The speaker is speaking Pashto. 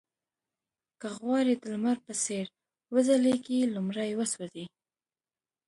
که غواړئ د لمر په څېر وځلېږئ لومړی وسوځئ.